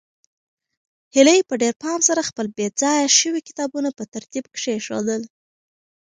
هیلې په ډېر پام سره خپل بې ځایه شوي کتابونه په ترتیب کېښودل.